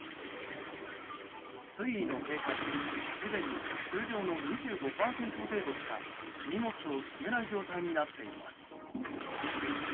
水位の低下ですでに通常の２５％程度しか荷物を積めない状態になっています。